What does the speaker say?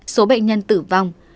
số bệnh nhân tử vong